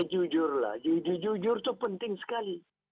jujur jujur itu penting sekali